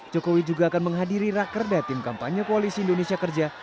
jokowi juga akan menghadiri raker daerah tim kampanye kualisi indonesia kerja